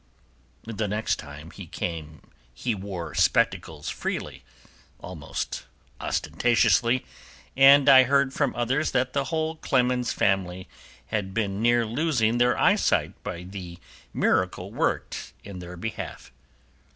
The next time he came he wore spectacles freely, almost ostentatiously, and I heard from others that the whole Clemens family had been near losing their eyesight by the miracle worked in their behalf.